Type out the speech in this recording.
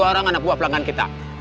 ada dua anak buah pelanggan kita